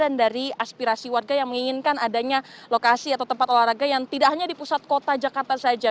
dan dari aspirasi warga yang menginginkan adanya lokasi atau tempat olahraga yang tidak hanya di pusat kota jakarta saja